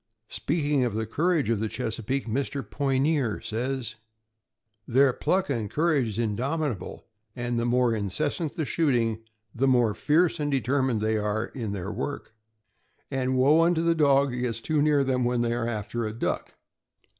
Speaking of the courage of the Chesapeake, Mr. Poy neer says: Their pluck and courage is indomitable, and the more incessant the shoot ing the more tierce and determined they are in their work; and woe unto the dog that gets too near them when they are after a duck.